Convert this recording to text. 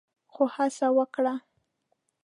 خو هڅه وکړه